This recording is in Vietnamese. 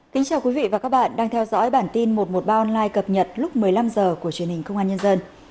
kính chào quý vị và các bạn đang theo dõi bản tin một trăm một mươi ba online cập nhật lúc một mươi năm h của truyền hình công an nhân dân